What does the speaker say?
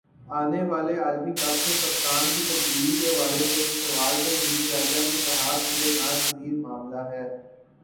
آنے والے عالمی کپ میں کپتان کی تبدیلی کے حوالے سے ایک سوال پر رمیز راجہ نے کہا کہ یہ ناگزیر معاملہ ہے